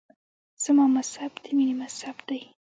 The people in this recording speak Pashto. زما مذهب د مینې مذهب دی.